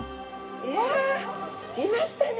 いやいましたね。